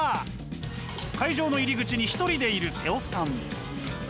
会場の入り口に１人でいる妹尾さん。